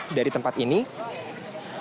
mereka juga terlihat cukup berpindah